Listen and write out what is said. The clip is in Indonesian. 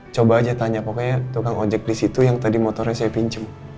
coba aja tanya pokoknya tukang ojek di situ yang tadi motornya saya pinjem